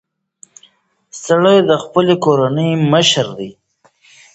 سړی د خپلې کورنۍ مشر دی.